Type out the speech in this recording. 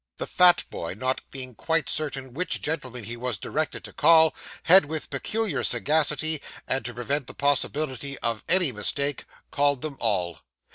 The fat boy, not being quite certain which gentleman he was directed to call, had with peculiar sagacity, and to prevent the possibility of any mistake, called them all.